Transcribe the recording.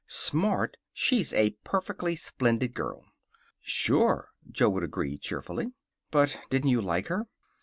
"Smart! She's a perfectly splendid girl." "Sure," Jo would agree cheerfully. "But didn't you like her?"